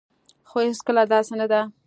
خو هيڅکله داسي نه ده